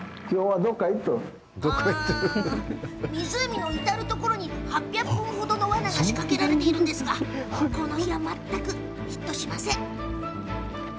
湖の至る所に８００本程のワナが仕掛けられているんですがこの日は全くヒットしません。